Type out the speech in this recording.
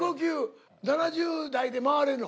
７０台で回れるの？